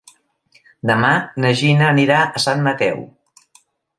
Demà na Gina anirà a Sant Mateu.